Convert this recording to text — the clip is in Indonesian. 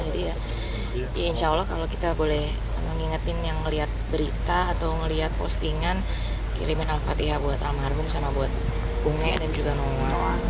jadi ya insya allah kalau kita boleh mengingatkan yang melihat berita atau melihat postingan kirimin al fatihah buat almarhum sama buat bunga dan juga nama nama